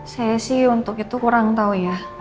saya sih untuk itu kurang tahu ya